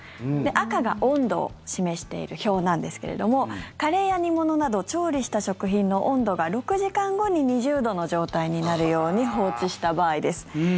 赤が温度を示している表なんですけれどもカレーや煮物など調理した食品の温度が６時間後に２０度の状態になるように放置した場合です。